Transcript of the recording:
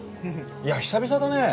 いや久々だね。